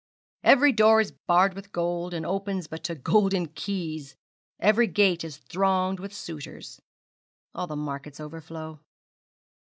"Every door is barred with gold, and opens but to golden keys, Every gate is thronged with suitors, all the markets overflow."